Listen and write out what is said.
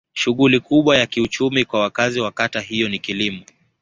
Shughuli kubwa ya kiuchumi kwa wakazi wa kata hiyo ni kilimo.